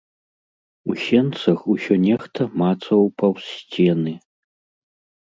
У сенцах усё нехта мацаў паўз сцены.